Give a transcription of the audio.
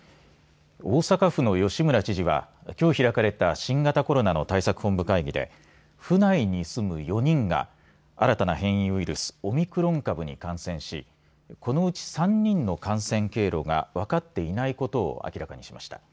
大阪府の吉村知事はきょう開かれた新型コロナの対策本部会議で府内に住む４人が新たな変異ウイルス、オミクロン株に感染しこのうち３人の感染経路が分かっていないことを明らかにしました。